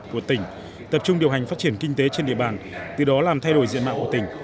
của tỉnh tập trung điều hành phát triển kinh tế trên địa bàn từ đó làm thay đổi diện mạo của tỉnh